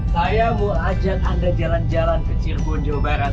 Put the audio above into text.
saya mau ajak anda jalan jalan ke cirebon jawa barat